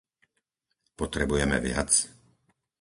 Potrebujeme viac?